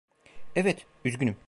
Evet, üzgünüm.